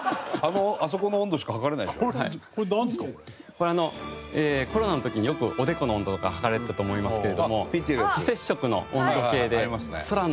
これあのコロナの時によくおでこの温度とか測られてたと思いますけれども非接触の温度計で空の温度を測っております。